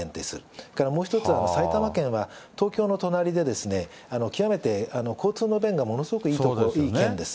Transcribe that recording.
それからもう一つは埼玉県は東京の隣で、極めて交通の便がものすごくいい県です。